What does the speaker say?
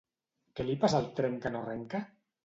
Què li passa al tren que no arrenca?